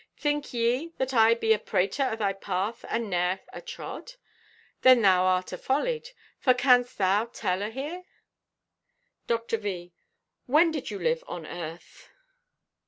Think ye that I be a prater o' thy path and ne'er atrod? Then thou art afollied, for canst thou tell o' here?" Dr. V.—"When did you live on earth?"